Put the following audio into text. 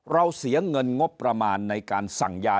เสียเงินงบประมาณในการสั่งยา